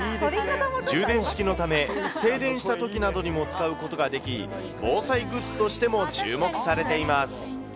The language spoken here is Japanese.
充電式のため、停電したときなどにも使うことができ、防災グッズとしても注目されています。